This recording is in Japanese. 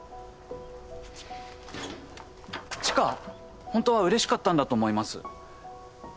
知花ホントはうれしかったんだと思います。